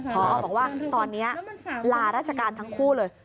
พอบอกว่าตอนนี้ลาราชการทั้งคู่เลย